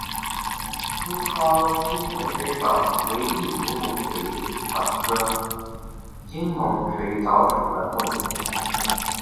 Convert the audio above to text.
粗糙棘猛水蚤为异足猛水蚤科棘猛水蚤属的动物。